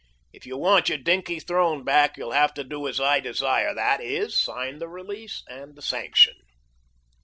If you want your dinky throne back you'll have to do as I desire; that is, sign the release and the sanction.